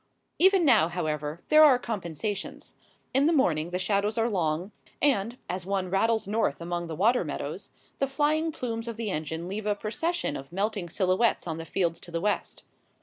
Even now, however, there are compensations. In the morning the shadows are long, and, as one rattles north among the water meadows, the flying plumes of the engine leave a procession of melting silhouettes on the fields to the west.